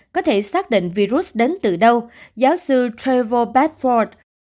có thể xác định virus đến từ đâu giáo sư trevor bedford